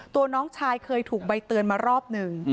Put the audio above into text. น้องชายเคยถูกใบเตือนมารอบหนึ่ง